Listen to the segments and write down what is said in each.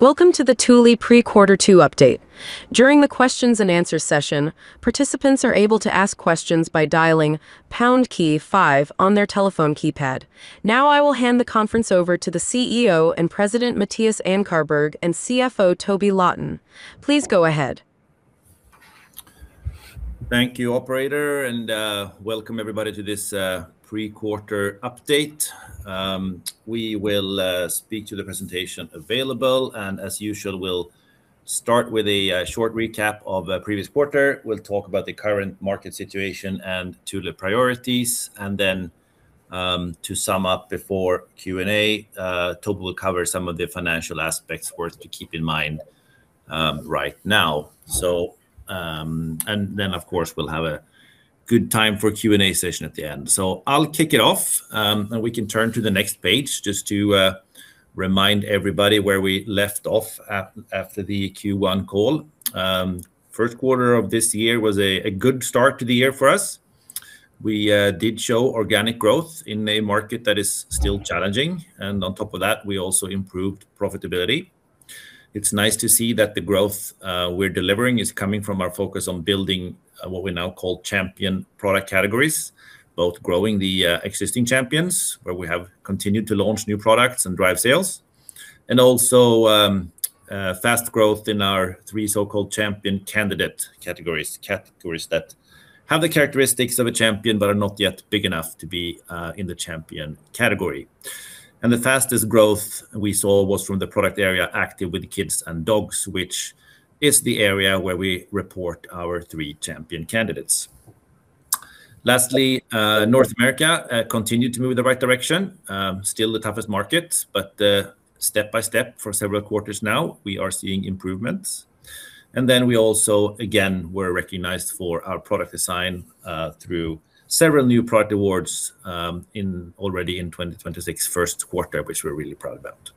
Welcome to the Thule pre-quarter two update. During the questions and answers session, participants are able to ask questions by dialing pound key five on their telephone keypad. I will hand the conference over to the CEO and President, Mattias Ankarberg, and CFO, Toby Lawton. Please go ahead. Thank you, operator. Welcome everybody to this pre-quarter update. We will speak to the presentation available, and as usual, we'll start with a short recap of the previous quarter. We'll talk about the current market situation and Thule priorities. To sum up before Q&A, Toby will cover some of the financial aspects worth to keep in mind right now. Of course, we'll have a good time for a Q&A session at the end. I'll kick it off, and we can turn to the next page just to remind everybody where we left off after the Q1 call. First quarter of this year was a good start to the year for us. We did show organic growth in a market that is still challenging, and on top of that, we also improved profitability. It's nice to see that the growth we're delivering is coming from our focus on building what we now call champion product categories, both growing the existing champions, where we have continued to launch new products and drive sales, and also fast growth in our three so-called champion candidate categories. Categories that have the characteristics of a champion but are not yet big enough to be in the champion category. The fastest growth we saw was from the product area active with kids and dogs, which is the area where we report our three champion candidates. Lastly, North America continued to move in the right direction. Still the toughest market. Step by step for several quarters now, we are seeing improvements. We also, again, were recognized for our product design through several new product awards already in 2026 first quarter, which we're really proud about.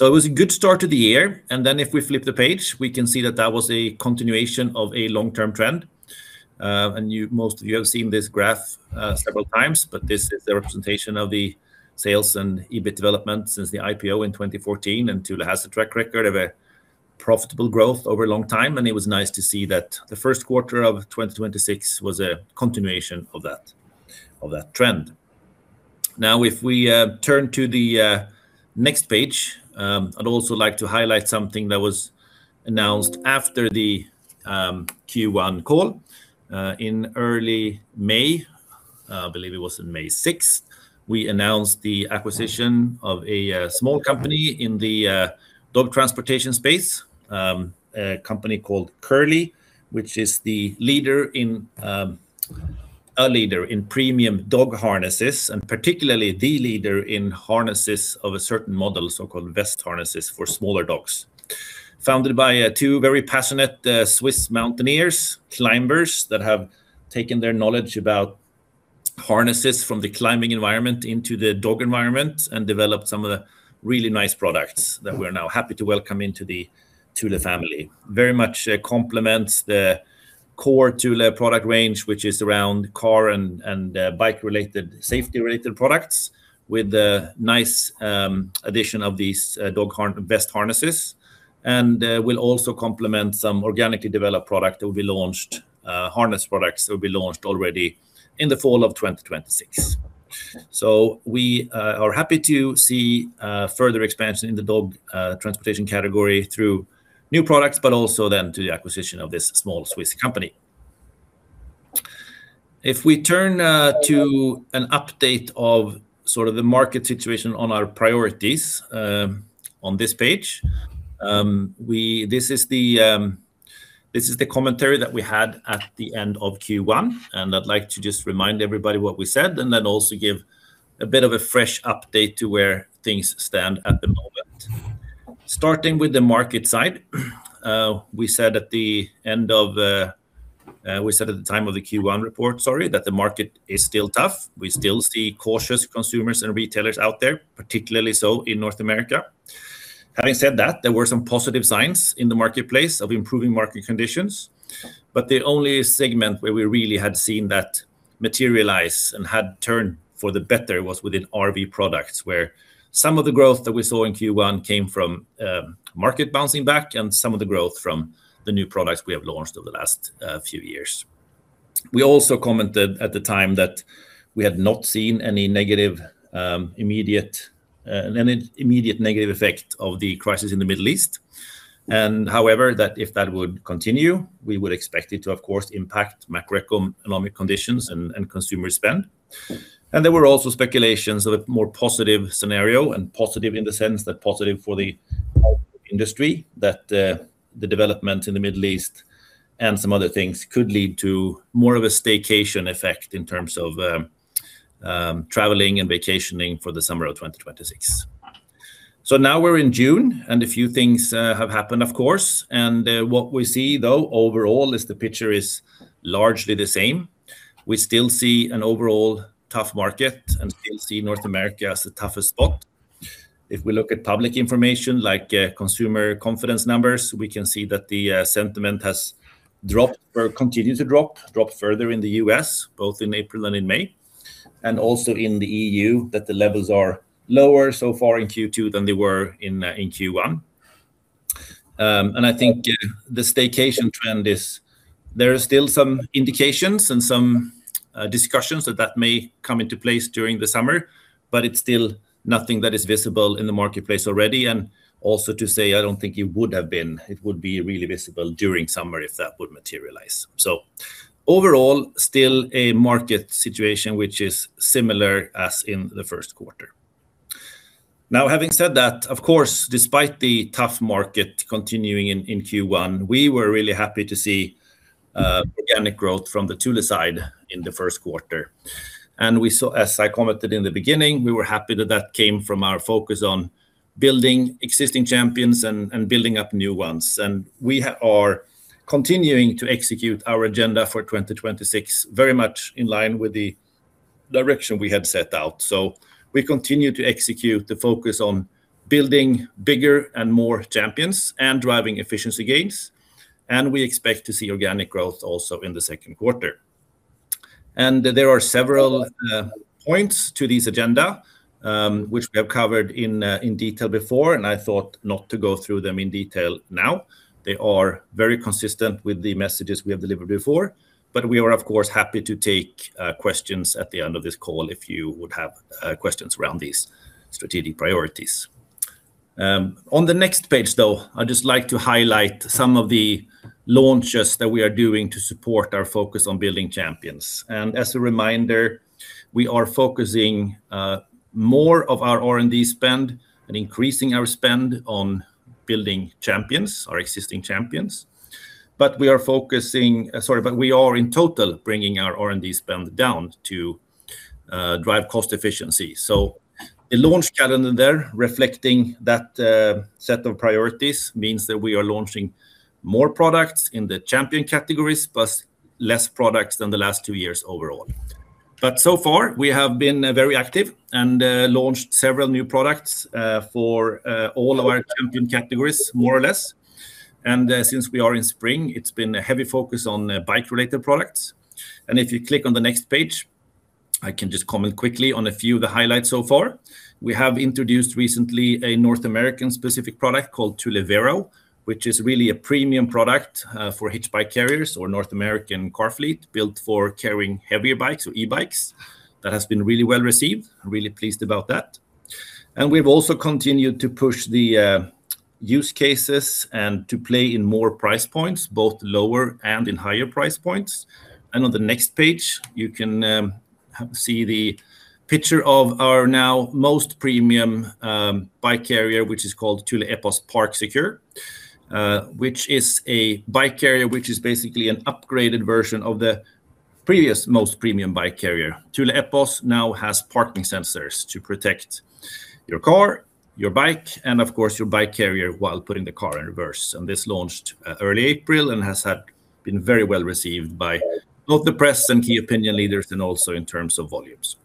It was a good start to the year. If we flip the page, we can see that that was a continuation of a long-term trend. Most of you have seen this graph several times, but this is the representation of the sales and EBIT development since the IPO in 2014, and Thule has a track record of a profitable growth over a long time, and it was nice to see that the first quarter of 2026 was a continuation of that trend. If we turn to the next page, I'd also like to highlight something that was announced after the Q1 call in early May. I believe it was in May 6th. We announced the acquisition of a small company in the dog transportation space, a company called Curli, which is a leader in premium dog harnesses, and particularly the leader in harnesses of a certain model, so-called vest harnesses for smaller dogs. Founded by two very passionate Swiss mountaineers, climbers that have taken their knowledge about harnesses from the climbing environment into the dog environment and developed some of the really nice products that we're now happy to welcome into the Thule family. Very much complements the core Thule product range, which is around car and bike-related, safety-related products with the nice addition of these dog vest harnesses. Will also complement some organically developed product that will be launched, harness products that will be launched already in the fall of 2026. We are happy to see further expansion in the dog transportation category through new products, but also then through the acquisition of this small Swiss company. If we turn to an update of sort of the market situation on our priorities on this page. This is the commentary that we had at the end of Q1, and I'd like to just remind everybody what we said and then also give a bit of a fresh update to where things stand at the moment. Starting with the market side. We said at the time of the Q1 report that the market is still tough. We still see cautious consumers and retailers out there, particularly so in North America. Having said that, there were some positive signs in the marketplace of improving market conditions, but the only segment where we really had seen that materialize and had turned for the better was within RV products, where some of the growth that we saw in Q1 came from market bouncing back and some of the growth from the new products we have launched over the last few years. We also commented at the time that we had not seen any immediate negative effect of the crisis in the Middle East. However, if that would continue, we would expect it to, of course, impact macroeconomic conditions and consumer spend. There were also speculations of a more positive scenario, and positive in the sense that positive for the industry, that the development in the Middle East and some other things could lead to more of a staycation effect in terms of traveling and vacationing for the summer of 2026. Now we're in June, and a few things have happened, of course. What we see, though, overall is the picture is largely the same. We still see an overall tough market and still see North America as the toughest spot. If we look at public information like consumer confidence numbers, we can see that the sentiment has dropped or continued to drop further in the U.S. both in April and in May. Also in the E.U., that the levels are lower so far in Q2 than they were in Q1. I think the staycation trend is, there are still some indications and some discussions that may come into place during the summer, but it is still nothing that is visible in the marketplace already. Also to say, I don't think it would be really visible during summer if that would materialize. Overall, still a market situation which is similar as in the first quarter. Having said that, of course, despite the tough market continuing in Q1, we were really happy to see organic growth from the Thule side in the first quarter. As I commented in the beginning, we were happy that that came from our focus on building existing champions and building up new ones. We are continuing to execute our agenda for 2026, very much in line with the direction we had set out. We continue to execute the focus on building bigger and more champions and driving efficiency gains. We expect to see organic growth also in the second quarter. There are several points to this agenda, which we have covered in detail before, and I thought not to go through them in detail now. They are very consistent with the messages we have delivered before, but we are, of course, happy to take questions at the end of this call if you would have questions around these strategic priorities. On the next page, though, I'd just like to highlight some of the launches that we are doing to support our focus on building champions. As a reminder, we are focusing more of our R&D spend and increasing our spend on building champions, our existing champions. We are in total bringing our R&D spend down to drive cost efficiency. The launch calendar there reflecting that set of priorities means that we are launching more products in the champion categories, plus less products than the last two years overall. So far, we have been very active and launched several new products for all our champion categories, more or less. Since we are in spring, it's been a heavy focus on bike-related products. If you click on the next page, I can just comment quickly on a few of the highlights so far. We have introduced recently a North American specific product called Thule Vero, which is really a premium product for hitch bike carriers or North American car fleet, built for carrying heavier bikes or e-bikes. That has been really well-received. Really pleased about that. We've also continued to push the use cases and to play in more price points, both lower and in higher price points. On the next page, you can see the picture of our now most premium bike carrier, which is called Thule Epos Park Secure, which is a bike carrier, which is basically an upgraded version of the previous most premium bike carrier. Thule Epos now has parking sensors to protect your car, your bike, and of course, your bike carrier while putting the car in reverse. This launched early April and has been very well received by both the press and key opinion leaders, and also in terms of volumes.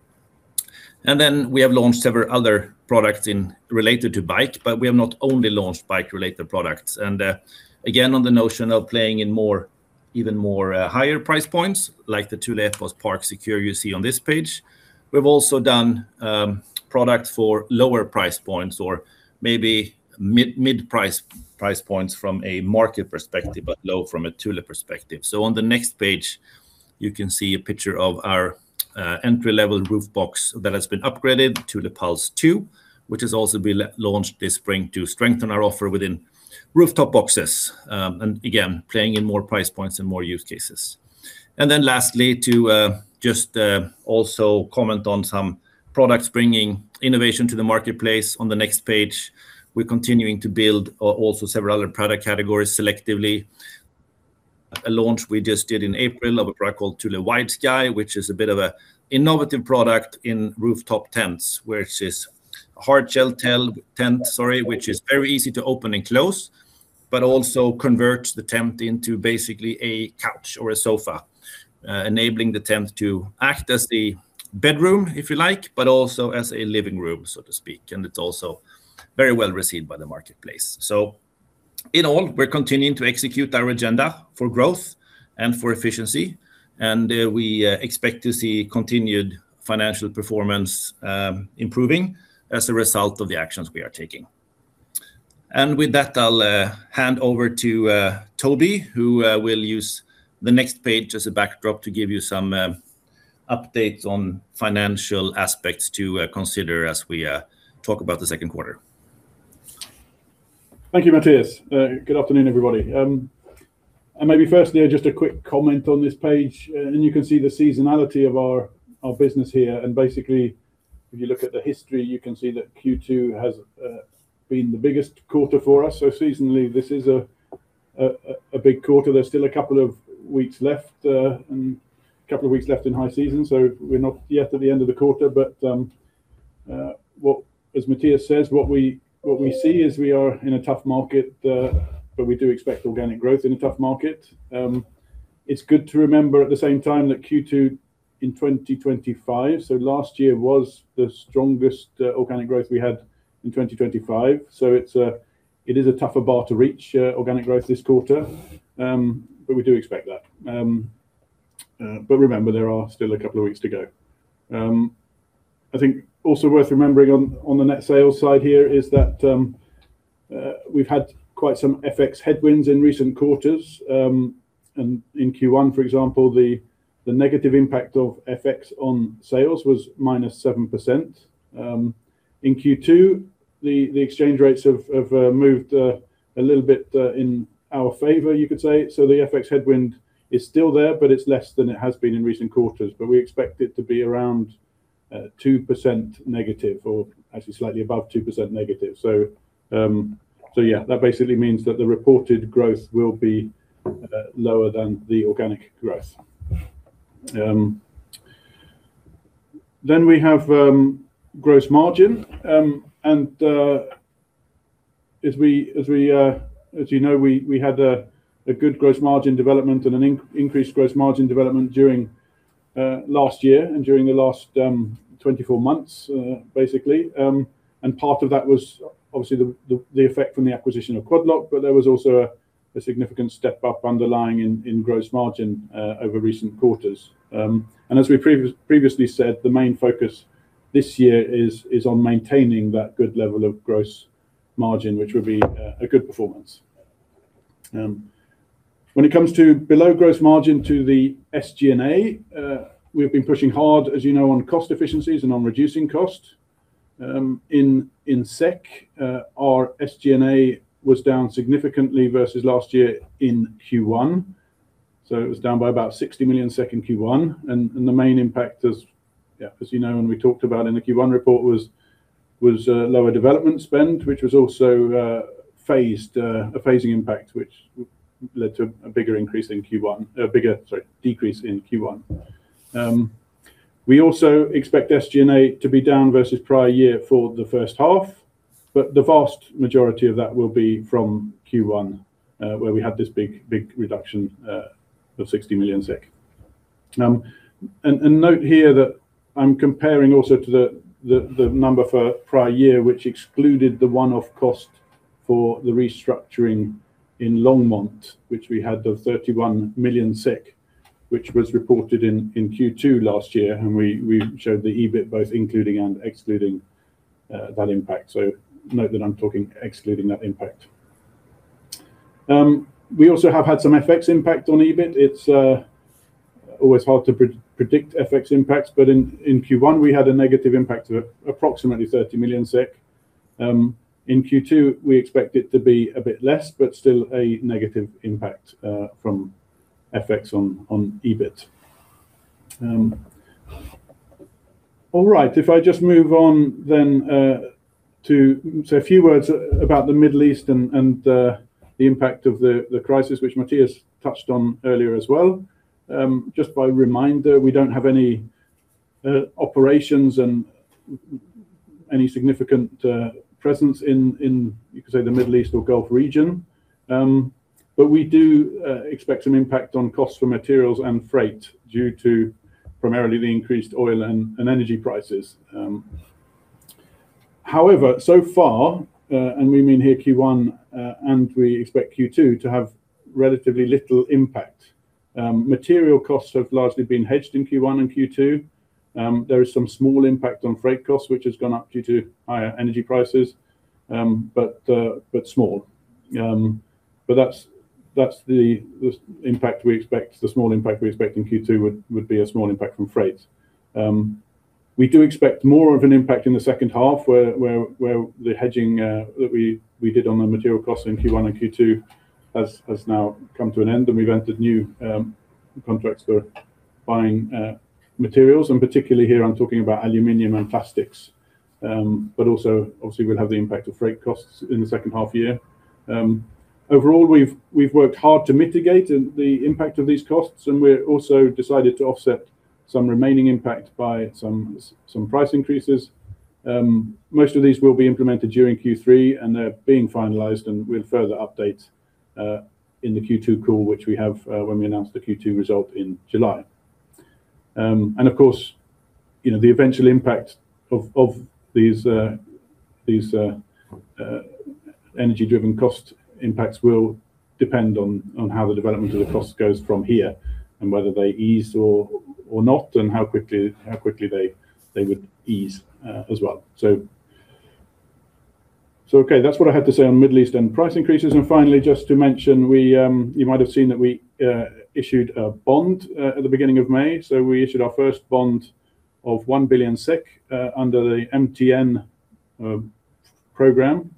Then we have launched several other products related to bike, but we have not only launched bike-related products. On the notion of playing in even more higher price points, like the Thule Epos Park Secure you see on this page, we've also done products for lower price points or maybe mid price points from a market perspective, but low from a Thule perspective. On the next page, you can see a picture of our entry-level roof box that has been upgraded, Thule Pulse 2, which has also been launched this spring to strengthen our offer within rooftop boxes. Again, playing in more price points and more use cases. Lastly, to just also comment on some products bringing innovation to the marketplace on the next page. We're continuing to build also several other product categories selectively. A launch we just did in April of a product called Thule WideSky, which is a bit of an innovative product in rooftop tents, where it is hard shell tent, which is very easy to open and close, but also converts the tent into basically a couch or a sofa, enabling the tent to act as the bedroom, if you like, but also as a living room, so to speak. It's also very well received by the marketplace. In all, we're continuing to execute our agenda for growth and for efficiency, and we expect to see continued financial performance improving as a result of the actions we are taking. With that, I'll hand over to Toby, who will use the next page as a backdrop to give you some updates on financial aspects to consider as we talk about the second quarter. Thank you, Mattias. Good afternoon, everybody. Maybe firstly, just a quick comment on this page, and you can see the seasonality of our business here. Basically, if you look at the history, you can see that Q2 has been the biggest quarter for us. Seasonally, this is a big quarter. There's still a couple of weeks left in high season. We're not yet at the end of the quarter. As Mattias says, what we see is we are in a tough market, but we do expect organic growth in a tough market. It's good to remember at the same time that Q2 in 2025, so last year was the strongest organic growth we had in 2025. It is a tougher bar to reach organic growth this quarter, but we do expect that. Remember, there are still a couple of weeks to go. I think also worth remembering on the net sales side here is that we've had quite some FX headwinds in recent quarters. In Q1, for example, the negative impact of FX on sales was minus 7%. In Q2, the exchange rates have moved a little bit in our favor, you could say. The FX headwind is still there, but it's less than it has been in recent quarters. We expect it to be around 2% negative, or actually slightly above 2% negative. Yeah, that basically means that the reported growth will be lower than the organic growth. We have gross margin. As you know, we had a good gross margin development and an increased gross margin development during last year and during the last 24 months, basically. Part of that was obviously the effect from the acquisition of Quad Lock, but there was also a significant step up underlying in gross margin over recent quarters. As we previously said, the main focus this year is on maintaining that good level of gross margin, which would be a good performance. When it comes to below gross margin to the SG&A, we've been pushing hard, as you know, on cost efficiencies and on reducing cost. In SEK our SG&A was down significantly versus last year in Q1, so it was down by about 60 million in Q1. The main impact as you know, and we talked about in the Q1 report, was lower development spend, which was also a phasing impact, which led to a bigger decrease in Q1. We also expect SG&A to be down versus prior year for the first half, but the vast majority of that will be from Q1 where we had this big reduction of 60 million SEK. Note here that I'm comparing also to the number for prior year, which excluded the one-off cost for the restructuring in Longmont, which we had of 31 million, which was reported in Q2 last year. We showed the EBIT both including and excluding that impact. Note that I'm talking excluding that impact. We also have had some FX impact on EBIT. It's always hard to predict FX impacts, but in Q1 we had a negative impact of approximately 30 million. In Q2, we expect it to be a bit less, but still a negative impact from FX on EBIT. All right, if I just move on to say a few words about the Middle East and the impact of the crisis, which Mattias touched on earlier as well. Just by reminder, we don't have any operations and any significant presence in, you could say, the Middle East or Gulf region. We do expect some impact on cost for materials and freight due to primarily the increased oil and energy prices. However, so far, we mean here Q1, we expect Q2 to have relatively little impact. Material costs have largely been hedged in Q1 and Q2. There is some small impact on freight costs, which has gone up due to higher energy prices, but small. That's the impact we expect. The small impact we expect in Q2 would be a small impact from freight. We do expect more of an impact in the second half where the hedging that we did on the material costs in Q1 and Q2 has now come to an end. We've entered new contracts for buying materials, and particularly here I'm talking about aluminum and plastics. Also, obviously we'll have the impact of freight costs in the second half year. Overall, we've worked hard to mitigate the impact of these costs, we also decided to offset some remaining impact by some price increases. Most of these will be implemented during Q3, they're being finalized, we'll further update in the Q2 call, which we have when we announce the Q2 result in July. Of course, the eventual impact of these energy-driven cost impacts will depend on how the development of the cost goes from here and whether they ease or not, and how quickly they would ease as well. Okay, that's what I had to say on Middle East and price increases. Finally, just to mention, you might have seen that we issued a bond at the beginning of May. We issued our first bond of 1 billion SEK under the MTN program.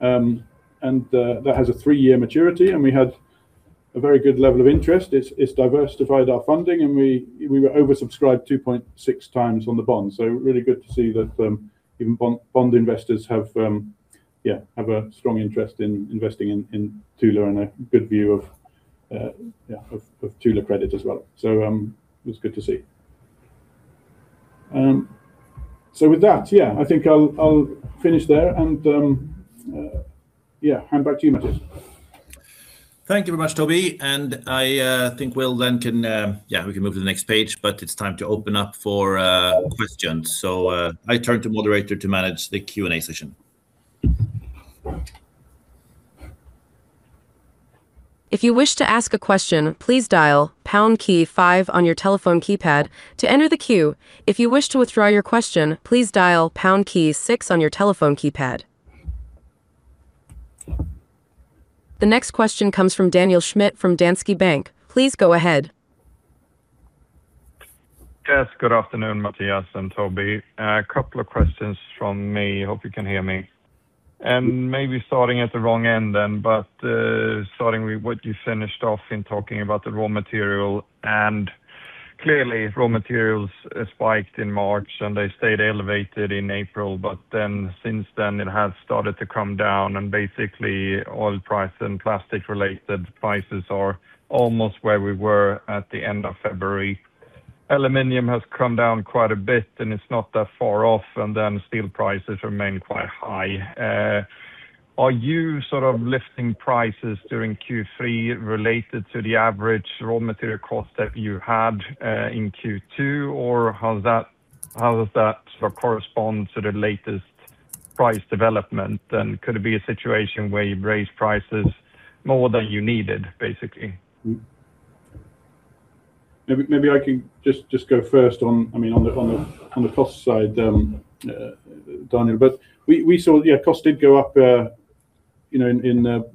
That has a three year maturity, and we had a very good level of interest. It's diversified our funding, and we were oversubscribed 2.6 times on the bond. Really good to see that even bond investors have a strong interest in investing in Thule and a good view of Thule credit as well. It was good to see. With that, yeah, I think I'll finish there and hand back to you, Mattias. Thank you very much, Toby. I think we can move to the next page, it's time to open up for questions. I turn to moderator to manage the Q&A session. If you wish to ask a question, please dial pound key five on your telephone keypad to enter the queue. If you wish to withdraw your question, please dial pound key six on your telephone keypad. The next question comes from Daniel Schmidt from Danske Bank. Please go ahead. Yes. Good afternoon, Mattias and Toby. A couple of questions from me. Hope you can hear me. Maybe starting at the wrong end then, starting with what you finished off in talking about the raw material. Clearly raw materials spiked in March, and they stayed elevated in April. Since then it has started to come down and basically oil price and plastic related prices are almost where we were at the end of February. Aluminum has come down quite a bit, and it's not that far off. Then steel prices remain quite high. Are you sort of lifting prices during Q3 related to the average raw material cost that you had in Q2, or how does that sort of correspond to the latest price development? Could it be a situation where you've raised prices more than you needed, basically? Maybe I can just go first on the cost side, Daniel. We saw costs did go up in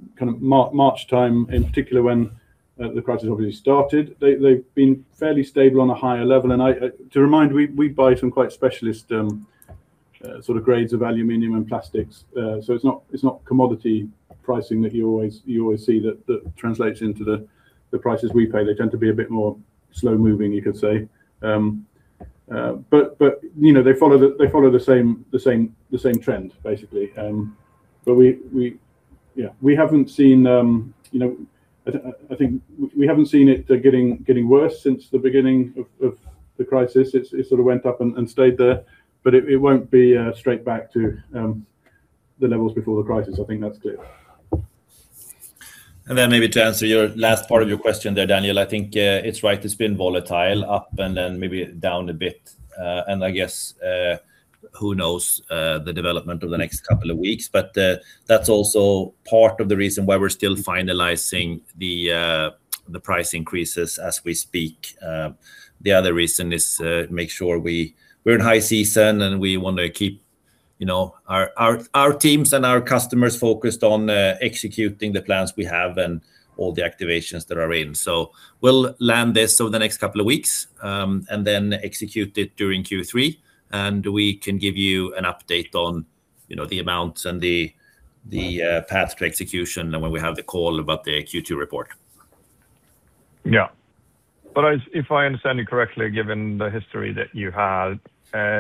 March time in particular when the crisis obviously started. They've been fairly stable on a higher level, and to remind, we buy some quite specialist sort of grades of aluminum and plastics. It's not commodity pricing that you always see that translates into the prices we pay. They tend to be a bit more slow moving, you could say. They follow the same trend, basically. I think we haven't seen it getting worse since the beginning of the crisis. It sort of went up and stayed there, but it won't be straight back to the levels before the crisis. I think that's clear. Maybe to answer your last part of your question there, Daniel, I think it's right. It's been volatile up and then maybe down a bit. I guess who knows the development of the next couple of weeks. That's also part of the reason why we're still finalizing the price increases as we speak. The other reason is make sure we're in high season, and we want to keep our teams and our customers focused on executing the plans we have and all the activations that are in. We'll land this over the next couple of weeks, and then execute it during Q3. We can give you an update on the amounts and the path to execution when we have the call about the Q2 report. If I understand you correctly, given the history that you had,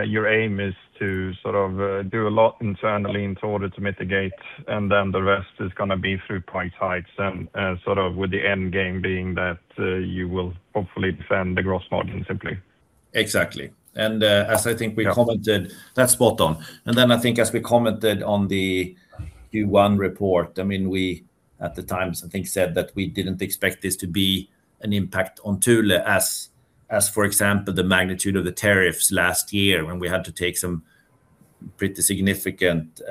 your aim is to sort of do a lot internally in order to mitigate. The rest is going to be through price hikes and sort of with the end game being that you will hopefully defend the gross margin simply. Exactly. That's spot on. I think as we commented on the Q1 report, we at the time I think said that we didn't expect this to be an impact on Thule as for example, the magnitude of the tariffs last year when we had to take some pretty significant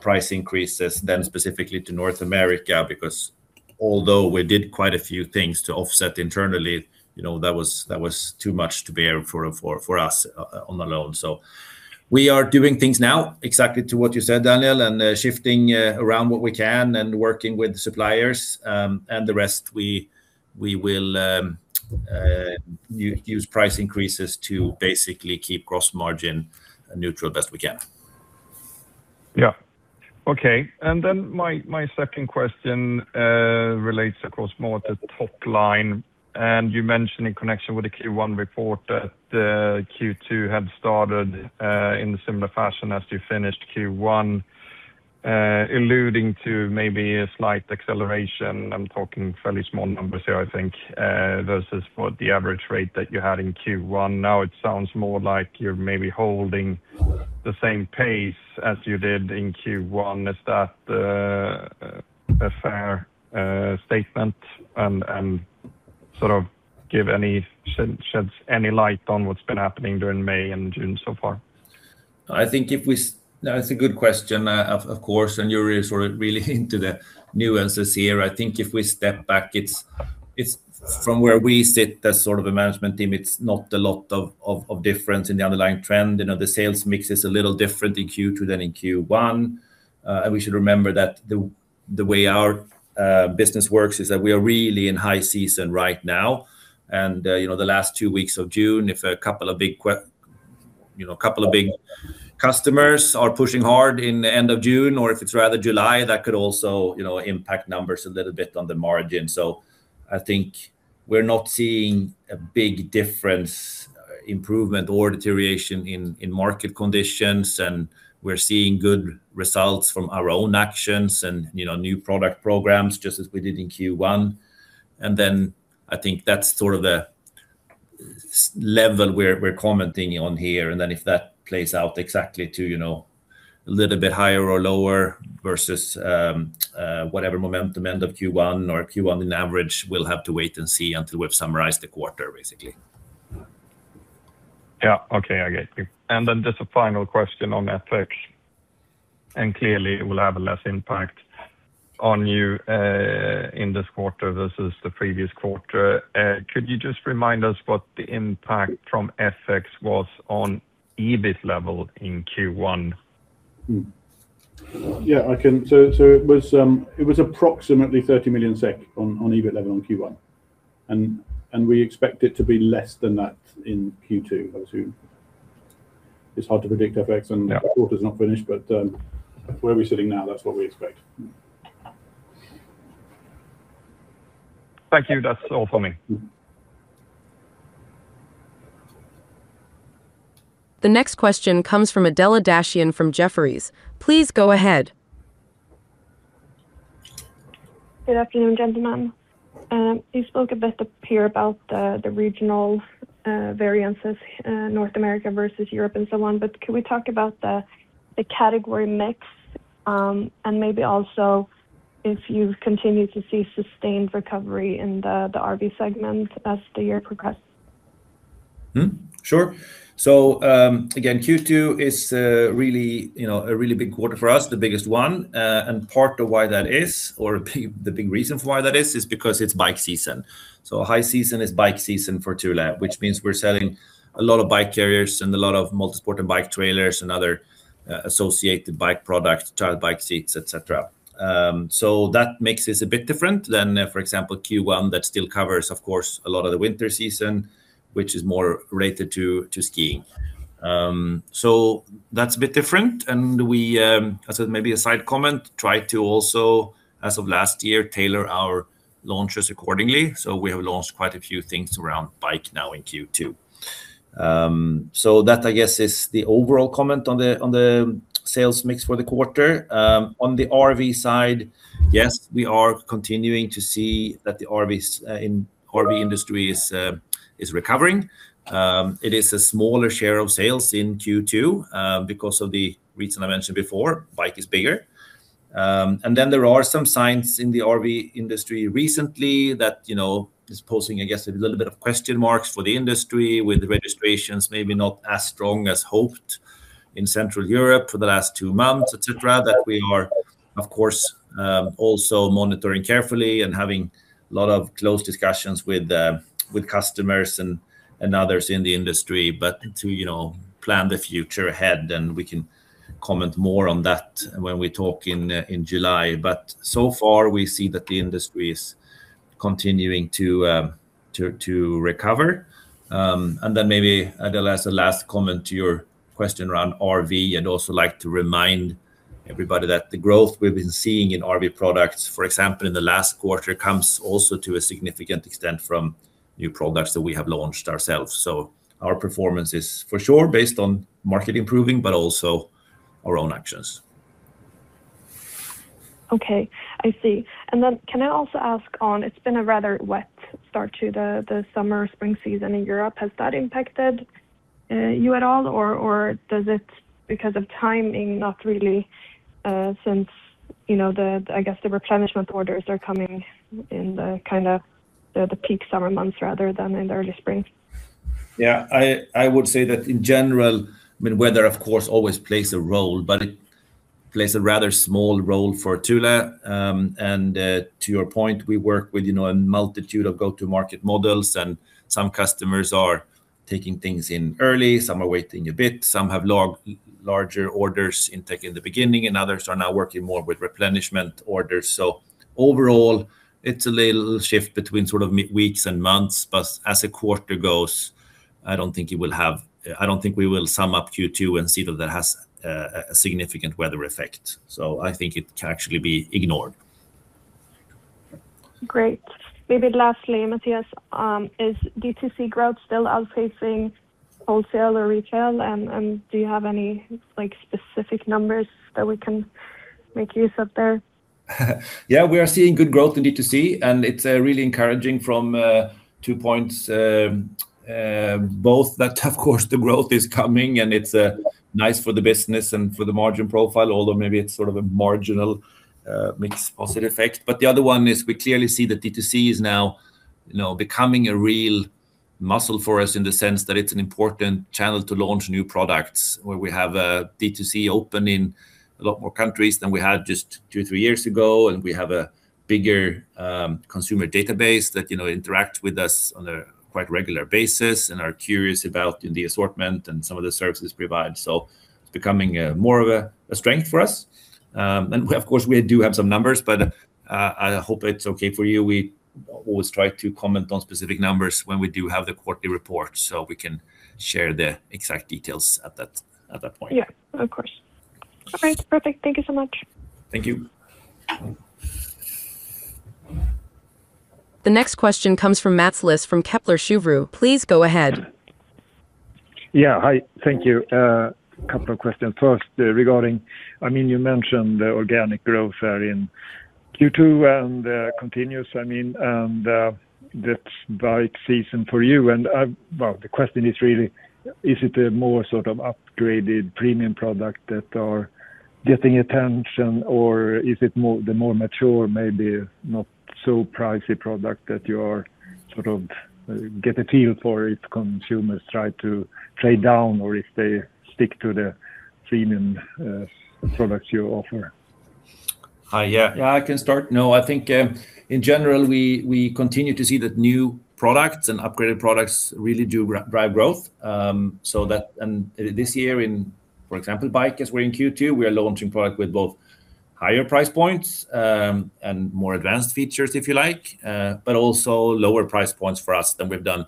price increases then specifically to North America because although we did quite a few things to offset internally, that was too much to bear for us on the low. We are doing things now exactly to what you said, Daniel, and shifting around what we can and working with suppliers, and the rest we will use price increases to basically keep gross margin neutral as best we can. Yeah. Okay. My second question relates, of course, more to top line. You mentioned in connection with the Q1 report that Q2 had started in a similar fashion as we finished Q1, alluding to maybe a slight acceleration. I'm talking fairly small numbers here, I think versus what the average rate that you had in Q1. It sounds more like you're maybe holding the same pace as you did in Q1. Is that a fair statement and sort of sheds any light on what's been happening during May and June so far? That's a good question of course, and you're really into the nuances here. I think if we step back, from where we sit as sort of a management team, it's not a lot of difference in the underlying trend. The sales mix is a little different in Q2 than in Q1. We should remember that the way our business works is that we are really in high season right now. The last two weeks of June, if a couple of big customers are pushing hard in the end of June, or if it's rather July, that could also impact numbers a little bit on the margin. I think we're not seeing a big difference, improvement or deterioration in market conditions, and we're seeing good results from our own actions and new product programs just as we did in Q1. I think that's sort of the level we're commenting on here, and then if that plays out exactly to a little bit higher or lower versus whatever momentum end of Q1 or Q1 on average, we'll have to wait and see until we've summarized the quarter, basically. Yeah. Okay, I get you. Then just a final question on FX. Clearly it will have a less impact on you in this quarter versus the previous quarter. Could you just remind us what the impact from FX was on EBIT level in Q1? Yeah, I can. It was approximately 30 million SEK on EBIT level on Q1, and we expect it to be less than that in Q2. It's hard to predict FX. Yeah The quarter's not finished, but where we're sitting now, that's what we expect. Thank you. That's all for me. The next question comes from Adela Dashian from Jefferies. Please go ahead. Good afternoon, gentlemen. You spoke a bit up here about the regional variances, North America versus Europe and so on. Can we talk about the category mix? Maybe also if you continue to see sustained recovery in the RV segment as the year progresses? Sure. Again, Q2 is a really big quarter for us, the biggest one. Part of why that is, or the big reason for why that is because it's bike season. High season is bike season for Thule, which means we're selling a lot of bike carriers and a lot of multi-sport and bike trailers and other associated bike products, child bike seats, et cetera. That makes this a bit different than, for example, Q1 that still covers, of course, a lot of the winter season, which is more related to skiing. That's a bit different, and we, as maybe a side comment, try to also, as of last year, tailor our launches accordingly. We have launched quite a few things around bike now in Q2. That, I guess, is the overall comment on the sales mix for the quarter. On the RV side, yes, we are continuing to see that the RV industry is recovering. It is a smaller share of sales in Q2 because of the reason I mentioned before, bike is bigger. Then there are some signs in the RV industry recently that is posing, I guess, a little bit of question marks for the industry with registrations maybe not as strong as hoped in Central Europe for the last two months, et cetera. That we are, of course, also monitoring carefully and having a lot of close discussions with customers and others in the industry. To plan the future ahead, we can comment more on that when we talk in July. So far, we see that the industry is continuing to recover. maybe, Adela, as a last comment to your question around RV, and also like to remind everybody that the growth we've been seeing in RV products, for example, in the last quarter, comes also to a significant extent from new products that we have launched ourselves. Our performance is for sure based on market improving, but also our own actions. Okay. I see. Can I also ask on, it's been a rather wet start to the summer, spring season in Europe. Has that impacted you at all? Or does it, because of timing, not really since, I guess the replenishment orders are coming in the peak summer months rather than in the early spring? Yeah. I would say that in general, weather, of course, always plays a role, but it plays a rather small role for Thule. To your point, we work with a multitude of go-to market models, and some customers are taking things in early, some are waiting a bit, some have larger orders intake in the beginning, and others are now working more with replenishment orders. Overall, it's a little shift between weeks and months, but as a quarter goes, I don't think we will sum up Q2 and see that that has a significant weather effect. I think it can actually be ignored. Great. Maybe lastly, Mattias, is D2C growth still outpacing wholesale or retail? Do you have any specific numbers that we can make use of there? Yeah, we are seeing good growth in D2C, it's really encouraging from two points, both that, of course, the growth is coming and it's nice for the business and for the margin profile, although maybe it's sort of a marginal mix positive effect. The other one is we clearly see that D2C is now becoming a real muscle for us in the sense that it's an important channel to launch new products, where we have D2C open in a lot more countries than we had just two, three years ago. We have a bigger consumer database that interacts with us on a quite regular basis and are curious about the assortment and some of the services provided. It's becoming more of a strength for us. Of course, we do have some numbers, but I hope it's okay for you. We always try to comment on specific numbers when we do have the quarterly report, we can share the exact details at that point. Yeah. Of course. All right, perfect. Thank you so much. Thank you. The next question comes from Mats Liss from Kepler Cheuvreux. Please go ahead. Yeah. Hi. Thank you. A couple of questions. First, regarding, you mentioned the organic growth in Q2 and continuous, and the bike season for you. Well, the question is really, is it a more sort of upgraded premium product that are getting attention, or is it the more mature maybe not so pricey product that you get a feel for if consumers try to trade down or if they stick to the premium products you offer? Yeah, I can start. No, I think in general, we continue to see that new products and upgraded products really do drive growth. This year in, for example, bike, as we're in Q2, we are launching product with both higher price points and more advanced features, if you like, but also lower price points for us than we've done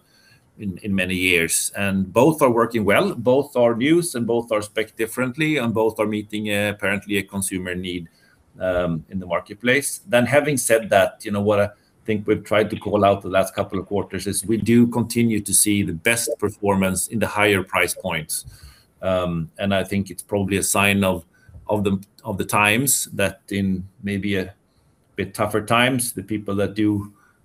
in many years. Both are working well. Both are new and both are specced differently, and both are meeting apparently a consumer need in the marketplace. Having said that, what I think we've tried to call out the last couple of quarters is we do continue to see the best performance in the higher price points. I think it's probably a sign of the times that in maybe a bit tougher times, the people that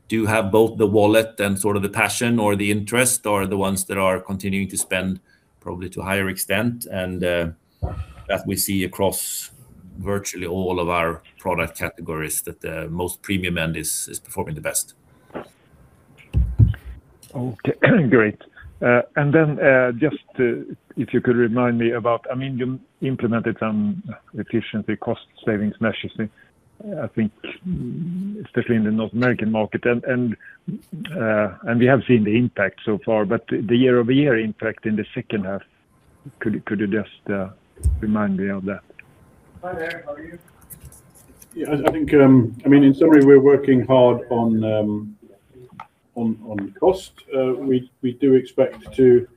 do have both the wallet and sort of the passion or the interest are the ones that are continuing to spend probably to a higher extent. That we see across virtually all of our product categories that the most premium end is performing the best. Okay, great. Just if you could remind me about, you implemented some efficiency cost savings measures, I think especially in the North American market, and we have seen the impact so far, but the year-over-year impact in the second half, could you just remind me of that? Hi there. How are you? I think in summary, we're working hard on cost. We do expect to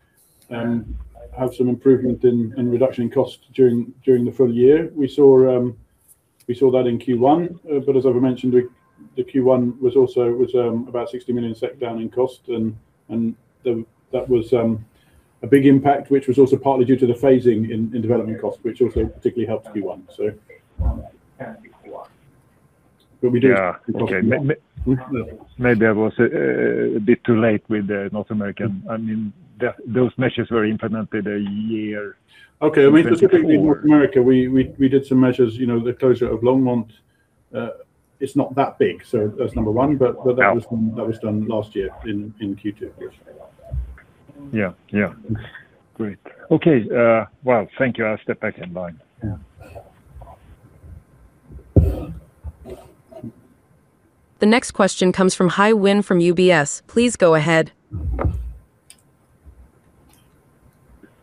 have some improvement in reduction in cost during the full year. We saw that in Q1, as I mentioned, the Q1 was about 60 million down in cost, and that was a big impact, which was also partly due to the phasing in development cost, which also particularly helped Q1. We do. Okay. Maybe I was a bit too late with the North American. Those measures were implemented a year before. Okay. Specifically in North America, we did some measures, the closure of Longmont. It's not that big, so that's number one. That was done last year in Q2. Yeah. Great. Okay. Well, thank you. I'll step back in line. Yeah. The next question comes from Hai Nguyen from UBS. Please go ahead.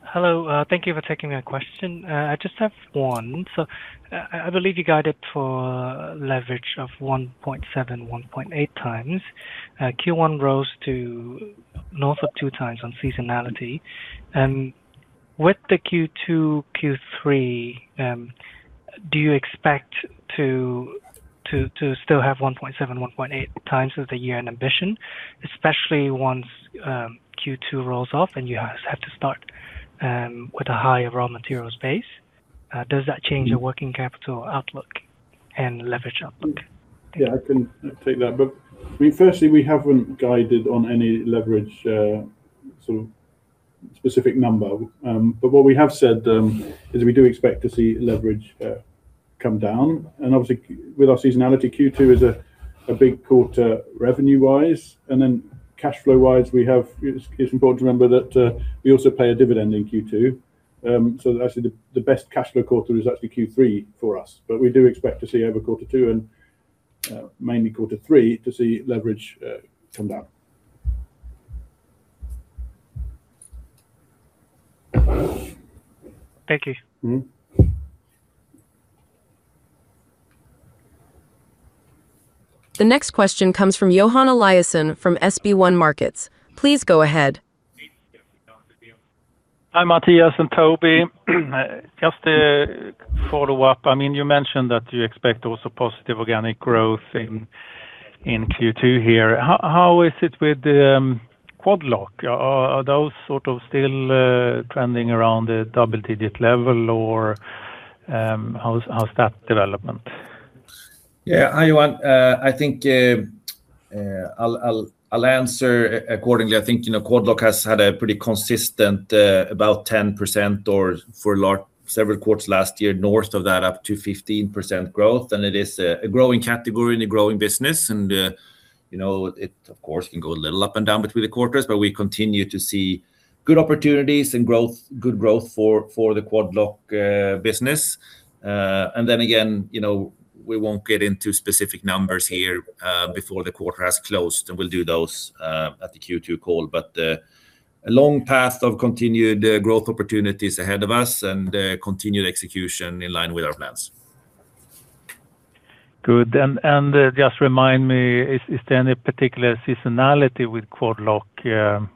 Hello, thank you for taking my question. I just have one. I believe you guided for leverage of 1.7, 1.8 times. Q1 rose to north of two times on seasonality. With the Q2, Q3, do you expect to still have 1.7, 1.8 times as the year-end ambition, especially once Q2 rolls off and you have to start with a higher raw materials base? Does that change your working capital outlook and leverage outlook? Firstly, we haven't guided on any leverage sort of specific number. What we have said is we do expect to see leverage come down, Obviously with our seasonality, Q2 is a big quarter revenue-wise. Then cash flow-wise, it's important to remember that we also pay a dividend in Q2. Actually the best cash flow quarter is actually Q3 for us. We do expect to see over quarter two and mainly quarter three to see leverage come down. Thank you. The next question comes from Johan Eliason from SB1 Markets. Please go ahead. Hi, Mattias and Toby. Just to follow up, you mentioned that you expect also positive organic growth in Q2 here. How is it with Quad Lock? Are those sort of still trending around the double-digit level, or how's that development? Yeah. Hi, Johan. I think I'll answer accordingly. I think Quad Lock has had a pretty consistent about 10% or for several quarters last year, north of that, up to 15% growth. It is a growing category and a growing business, it of course, can go a little up and down between the quarters, we continue to see good opportunities and good growth for the Quad Lock business. Again, we won't get into specific numbers here before the quarter has closed, we'll do those at the Q2 call. A long path of continued growth opportunities ahead of us and continued execution in line with our plans. Good. Just remind me, is there any particular seasonality with Quad Lock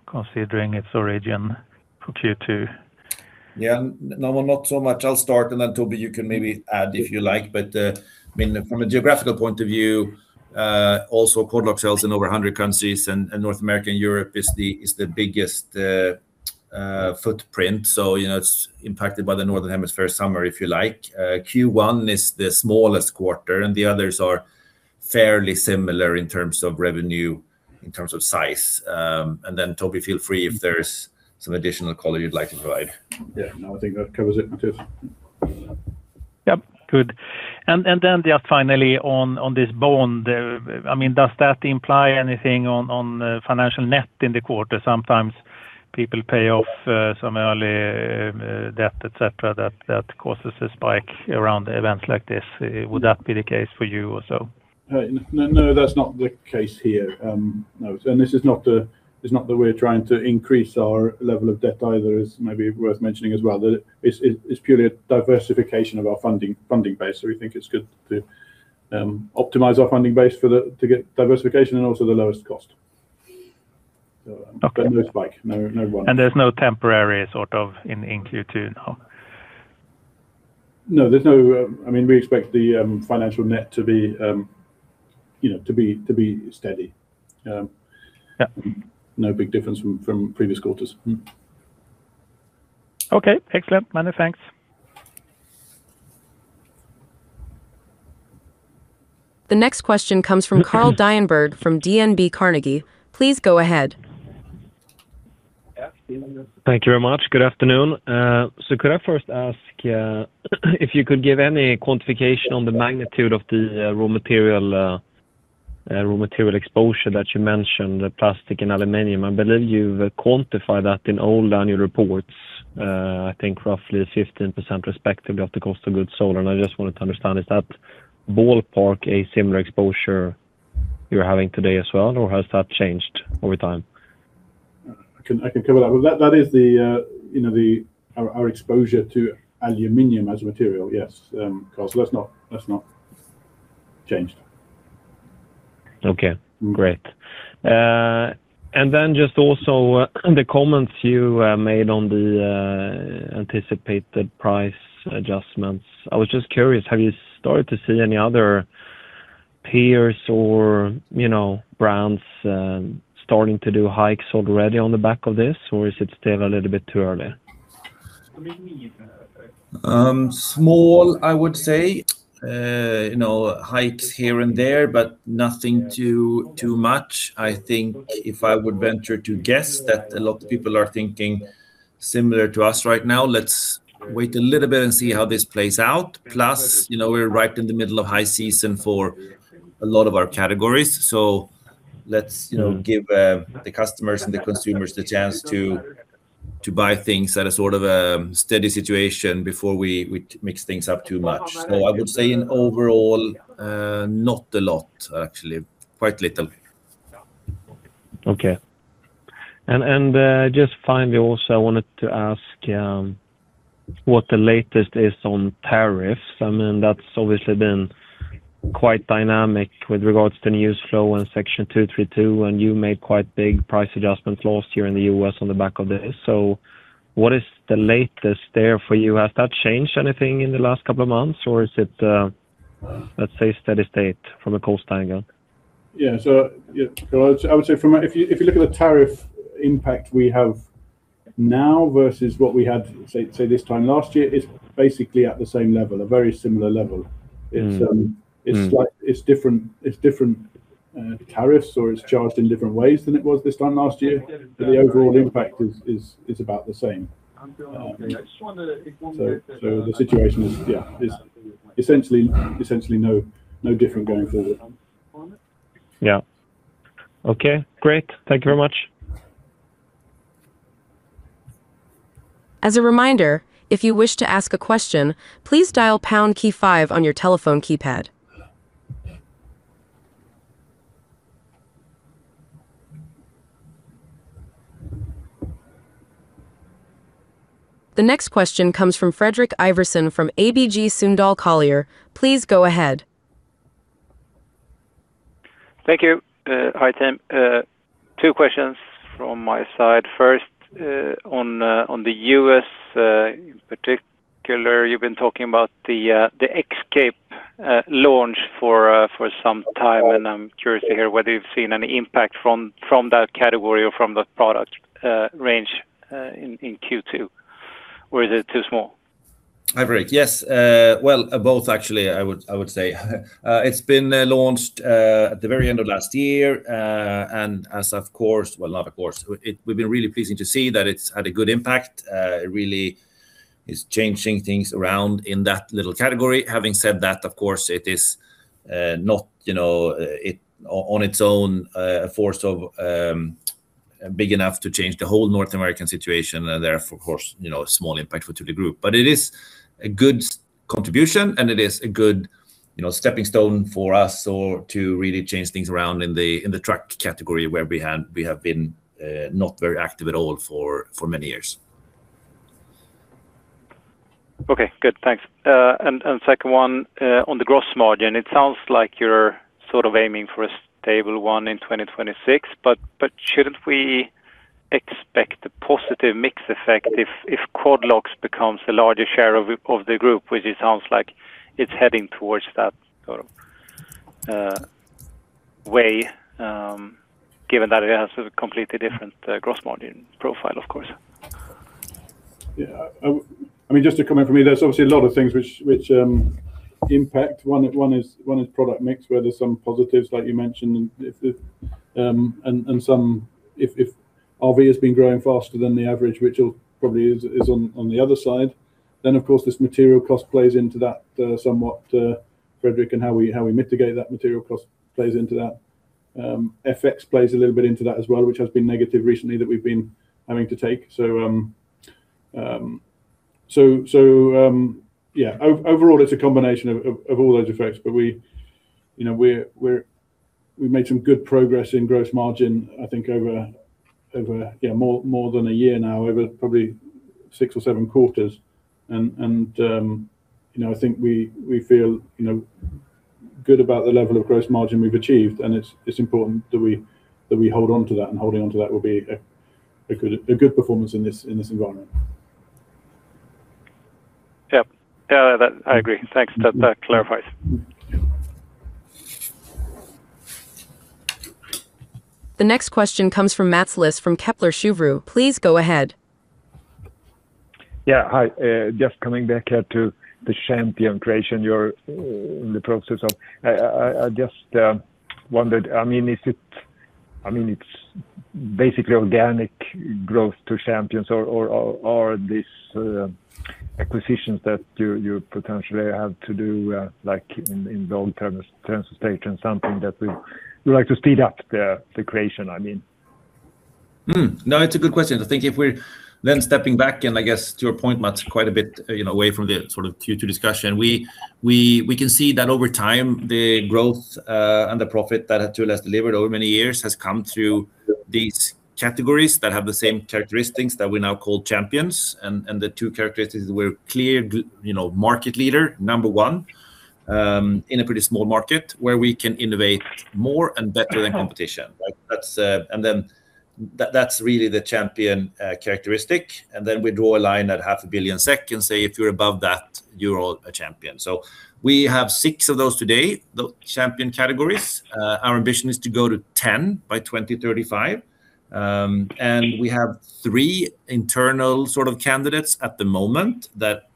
considering its origin for Q2? Yeah. No, not so much. I'll start and then Toby, you can maybe add if you like. From a geographical point of view, also Quad Lock sells in over 100 countries, North America and Europe is the biggest footprint. It's impacted by the northern hemisphere summer, if you like. Q1 is the smallest quarter, the others are fairly similar in terms of revenue, in terms of size. Toby, feel free if there's some additional color you'd like to provide. Yeah. No, I think that covers it, too. Yep. Good. Then just finally on this bond, does that imply anything on financial net in the quarter? Sometimes people pay off some early debt, et cetera, that causes a spike around events like this. Would that be the case for you also? No, that's not the case here. No. This is not that we're trying to increase our level of debt either, is maybe worth mentioning as well. That it's purely a diversification of our funding base. We think it's good to optimize our funding base to get diversification and also the lowest cost. Okay. No spike. No one. There's no temporary sort of in Q2 now? No. We expect the financial net to be steady. Yeah. No big difference from previous quarters. Mm-hmm. Okay. Excellent. Many thanks. The next question comes from Carl Deijenberg from DNB Carnegie. Please go ahead. Yeah. Thank you very much. Good afternoon. Could I first ask if you could give any quantification on the magnitude of the raw material exposure that you mentioned, the plastic and aluminum? I believe you've quantified that in all annual reports. I think roughly 15% respectively of the cost of goods sold. I just wanted to understand, is that ballpark a similar exposure you're having today as well or has that changed over time? I can cover that. That is our exposure to aluminum as a material, yes, Carl. That's not changed. Okay, great. Just also in the comments you made on the anticipated price adjustments, I was just curious, have you started to see any other peers or brands starting to do hikes already on the back of this, or is it still a little bit too early? Small, I would say, hikes here and there, but nothing too much. I think if I would venture to guess that a lot of people are thinking similar to us right now. Let's wait a little bit and see how this plays out. We're right in the middle of high season for a lot of our categories, let's give the customers and the consumers the chance to buy things at a sort of steady situation before we mix things up too much. I would say in overall, not a lot, actually. Quite little. Okay. Just finally, also, I wanted to ask what the latest is on tariffs. That's obviously been quite dynamic with regards to news flow and Section 232, and you made quite big price adjustments last year in the U.S. on the back of this. What is the latest there for you? Has that changed anything in the last couple of months, or is it, let's say, steady state from a cost angle? Yeah. I would say if you look at the tariff impact we have now versus what we had, say, this time last year, it's basically at the same level, a very similar level. It's different tariffs, or it's charged in different ways than it was this time last year. The overall impact is about the same. The situation is, yeah, essentially no different going forward. Yeah. Okay, great. Thank you very much. As a reminder, if you wish to ask a question, please dial pound key five on your telephone keypad. The next question comes from Fredrik Ivarsson from ABG Sundal Collier. Please go ahead. Thank you. Hi, [team]. Two questions from my side. First, on the U.S., in particular, you've been talking about the Thule Escape launch for some time. I'm curious to hear whether you've seen any impact from that category or from that product range in Q2, or is it too small? Fredrik, yes. Well, both actually, I would say. It's been launched at the very end of last year. Well, not of course. We've been really pleasing to see that it's had a good impact. It really is changing things around in that little category. Having said that, of course, it is not on its own a force big enough to change the whole North American situation. Therefore, of course, small impact to the group. It is a good contribution, and it is a good stepping stone for us, to really change things around in the truck category where we have been not very active at all for many years. Okay, good. Thanks. Second one, on the gross margin, it sounds like you're sort of aiming for a stable one in 2026, but shouldn't we expect a positive mix effect if Quad Lock becomes the largest share of the group? Which it sounds like it's heading towards that sort of way, given that it has a completely different gross margin profile, of course. Just to comment from me, there's obviously a lot of things which impact. One is product mix, where there's some positives that you mentioned, and some if RV has been growing faster than the average, which it probably is on the other side. Of course, this material cost plays into that somewhat, Fredrik, and how we mitigate that material cost plays into that. FX plays a little bit into that as well, which has been negative recently that we've been having to take. Overall, it's a combination of all those effects. We made some good progress in gross margin, I think, over more than a year now, over probably six or seven quarters. I think we feel good about the level of gross margin we've achieved, and it's important that we hold onto that, and holding onto that will be a good performance in this environment. I agree. Thanks. That clarifies. The next question comes from Mats Liss from Kepler Cheuvreux. Please go ahead. Yeah. Hi. Just coming back here to the champion creation you're in the process of. I just wondered, it's basically organic growth to champions or are these acquisitions that you potentially have to do, like in dog transportation, something that you'd like to speed up the creation? It's a good question. I think if we're then stepping back and I guess to your point, Mats, quite a bit away from the Q2 discussion, we can see that over time, the growth and the profit that Thule has delivered over many years has come through these categories that have the same characteristics that we now call champions. The two characteristics were clear market leader, number one, in a pretty small market where we can innovate more and better than competition. That's really the champion characteristic. We draw a line at 500 million and say, "If you're above that, you're a champion." We have six of those today, the champion categories. Our ambition is to go to 10 by 2035. We have three internal sort of candidates at the moment that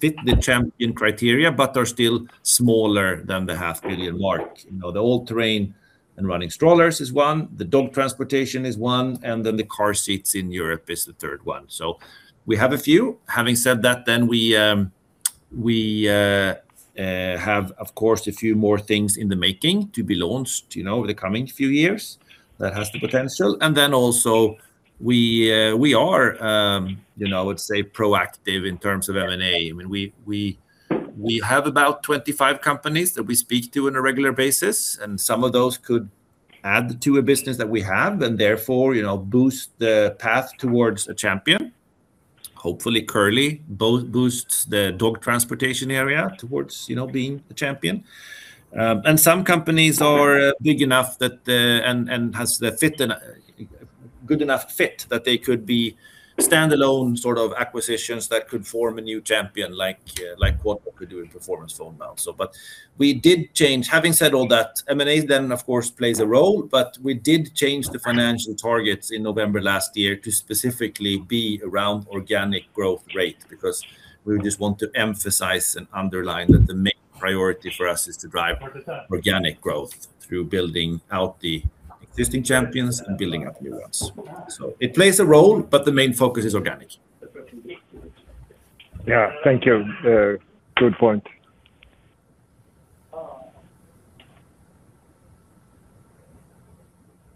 fit the champion criteria, but are still smaller than the half billion mark. The all-terrain and running strollers is one, the dog transportation is one, the car seats in Europe is the third one. We have a few. Having said that, we have, of course, a few more things in the making to be launched over the coming few years that has the potential. We are, I would say, proactive in terms of M&A. We have about 25 companies that we speak to on a regular basis, some of those could add to a business that we have and therefore boost the path towards a champion. Hopefully Curli boosts the dog transportation area towards being a champion. Some companies are big enough that, and has a good enough fit that they could be standalone sort of acquisitions that could form a new champion, like what we could do with Performance Foam now. We did change. Having said all that, M&A of course, plays a role, but we did change the financial targets in November last year to specifically be around organic growth rate, because we just want to emphasize and underline that the main priority for us is to drive organic growth through building out the existing champions and building up new ones. It plays a role, but the main focus is organic. Yeah. Thank you. Good point.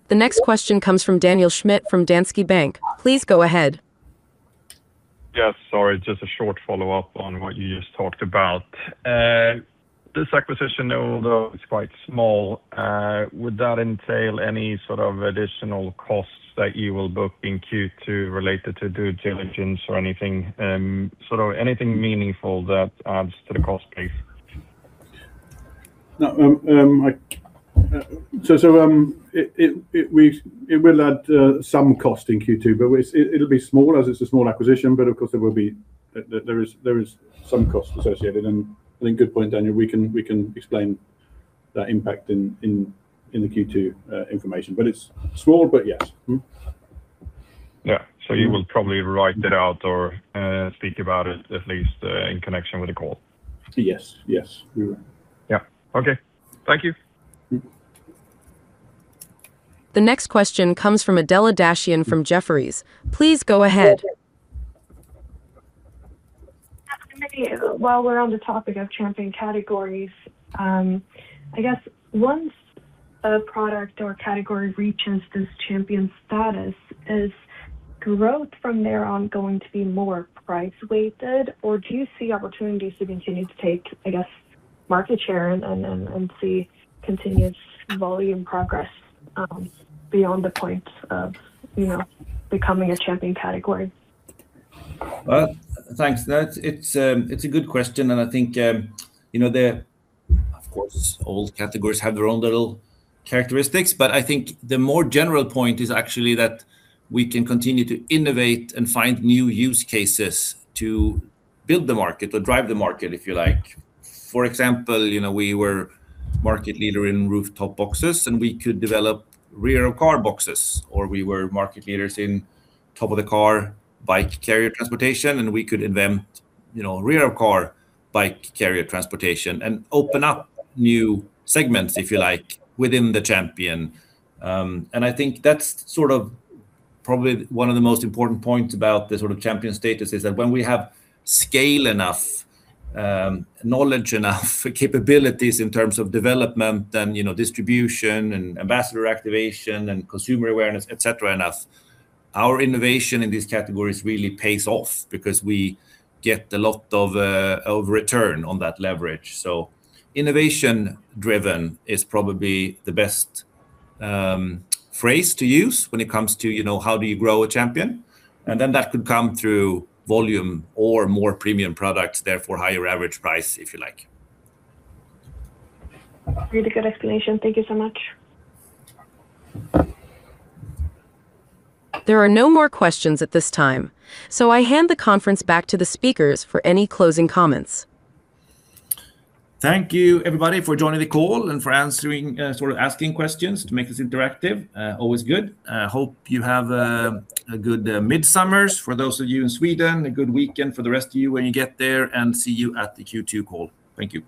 The next question comes from Daniel Schmidt from Danske Bank. Please go ahead. Yes, sorry, just a short follow-up on what you just talked about. This acquisition, although it's quite small, would that entail any sort of additional costs that you will book in Q2 related to due diligence or anything meaningful that adds to the cost, please? It will add some cost in Q2, but it'll be small as it's a small acquisition. Of course, there is some cost associated, and I think good point, Daniel. We can explain that impact in the Q2 information. It's small, but yes. You will probably write that out or speak about it at least in connection with the call? Yes. We will. Yeah. Okay. Thank you. The next question comes from Adela Dashian from Jefferies. Please go ahead. Hi. While we're on the topic of champion categories, I guess once a product or category reaches this champion status, is growth from there on going to be more price-weighted? Or do you see opportunities to continue to take, I guess market share and see continuous volume progress beyond the point of becoming a champion category? Well, thanks. It's a good question. I think of course, all categories have their own little characteristics. I think the more general point is actually that we can continue to innovate and find new use cases to build the market or drive the market, if you like. For example, we were market leader in rooftop boxes. We could develop rear of car boxes. We were market leaders in top of the car bike carrier transportation. We could invent rear of car bike carrier transportation and open up new segments, if you like, within the champion. I think that's probably one of the most important points about the champion status is that when we have scale enough, knowledge enough, capabilities in terms of development and distribution and ambassador activation and consumer awareness, et cetera enough, our innovation in these categories really pays off because we get a lot of return on that leverage. Innovation driven is probably the best phrase to use when it comes to how do you grow a champion? That could come through volume or more premium products, therefore higher average price, if you like. Really good explanation. Thank you so much. There are no more questions at this time. I hand the conference back to the speakers for any closing comments. Thank you everybody for joining the call and for asking questions to make this interactive. Always good. Hope you have a good Midsummer for those of you in Sweden, a good weekend for the rest of you when you get there, and see you at the Q2 call. Thank you.